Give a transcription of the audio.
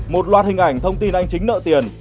một loạt hình ảnh thông tin anh chính nợ tiền